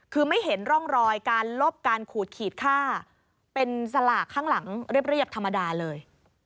คือไม่เห็นร่องรอยการลบการขูดขีดค่าเป็นสลากข้างหลังเรียบธรรมดาเลย